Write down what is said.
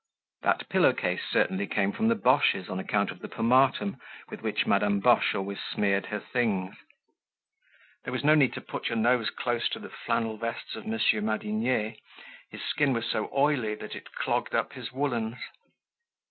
That pillow case certainly came from the Boches on account of the pomatum with which Madame Boche always smeared her things. There was no need to put your nose close to the flannel vests of Monsieur Madinier; his skin was so oily that it clogged up his woolens.